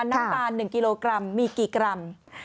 น้ำตาล๑กิโลกรัมมีกี่กรัม